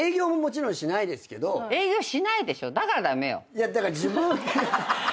いやだから自分。